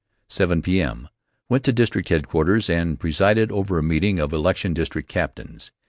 7 P.M.: Went to district headquarters and presided over a meeting of election district captains.